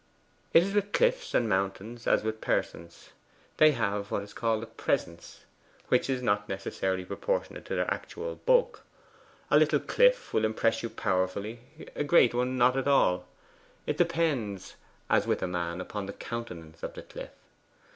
It is with cliffs and mountains as with persons; they have what is called a presence, which is not necessarily proportionate to their actual bulk. A little cliff will impress you powerfully; a great one not at all. It depends, as with man, upon the countenance of the cliff.